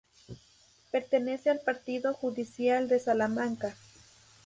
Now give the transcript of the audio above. Pertenece al partido judicial de Salamanca.